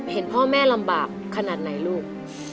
เห็นพ่อแม่ลำบากขนาดไหนลูก